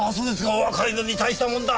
お若いのに大したもんだ。